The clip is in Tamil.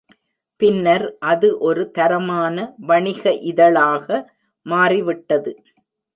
பின்னர் அது ஒரு தரமான வணிக இதழாக மாறிவிட்டது.